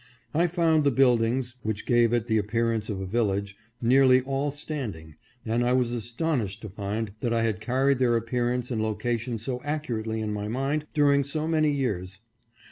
1 found the buildings, which gave it the ap pearance of a village, nearly all standing, and I was as tonished to find that I had carried their appearance and location so accurately in my mind during so many years.